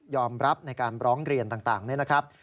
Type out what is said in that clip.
รับในการร้องเรียนต่างนี่นะครับ